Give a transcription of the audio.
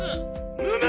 むむ！